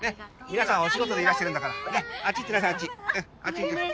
皆さんお仕事でいらしてるんだからねっあっち行ってなさい